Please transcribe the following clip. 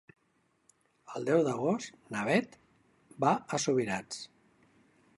El deu d'agost na Beth va a Subirats.